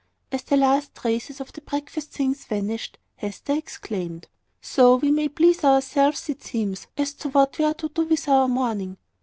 As the last traces of the breakfast things vanished, Hester exclaimed "So we may please ourselves, it seems, as to what we are to do with our morning!"